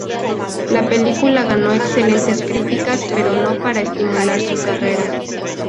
La película ganó excelentes críticas, pero no para estimular su carrera.